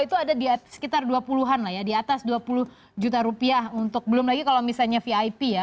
itu ada di sekitar dua puluh an lah ya di atas dua puluh juta rupiah untuk belum lagi kalau misalnya vip ya